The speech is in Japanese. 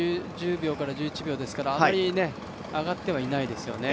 １０秒から１１秒ですからあまり上がってはいないですよね。